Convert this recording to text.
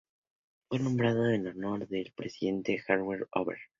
Fue nombrada en honor del presidente Herbert Hoover.